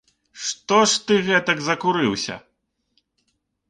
Што ж ты гэтак закурыўся?